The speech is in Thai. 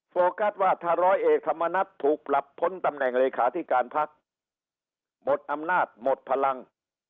โฟกัสว่าถ้าร้อยเอกธรรมนัฐถูกปรับพ้นตำแหน่งเลขาธิการพักหมดอำนาจหมดพลัง